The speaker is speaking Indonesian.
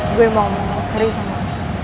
ibu aku mau ngomong serius aja